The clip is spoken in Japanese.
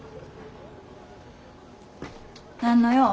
何の用？